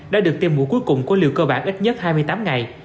đã được tiêm mũi cuối cùng của liều cơ bản ít nhất hai mươi tám ngày